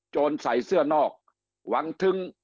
ใส่เสื้อนอกหวังทึ้ง